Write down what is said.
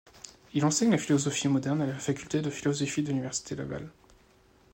Il enseigne la philosophie moderne à la faculté de philosophie de l'Université Laval.